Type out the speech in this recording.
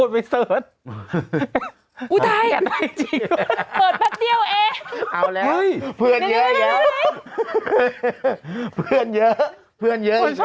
มีคนไปเสิร์ช